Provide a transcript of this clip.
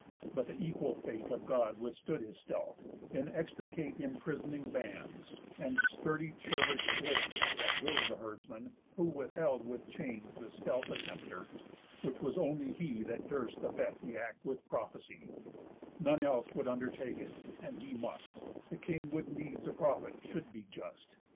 But the equal fate Of God withstood his stealth; inextricate Imprisoning bands, and sturdy churlish swains That were the herdsmen, who withheld with chains The stealth attempter; which was only he That durst abet the act with prophecy, None else would undertake it, and he must; The king would needs a prophet should be just.